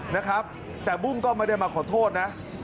นะครับแต่บุ้งก็ไม่ได้มาขอโทษนะ